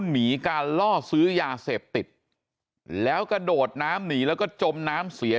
หนีการล่อซื้อยาเสพติดแล้วกระโดดน้ำหนีแล้วก็จมน้ำเสีย